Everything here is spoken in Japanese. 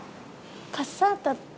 カッサータってどんな。